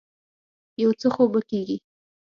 يو څه خو به کېږي.